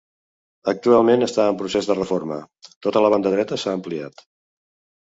Actualment està en procés de reforma, tota la banda dreta s'ha ampliat.